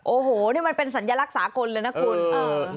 โอ้โหนี่มันเป็นสัญลักษากลเลยนะคุณ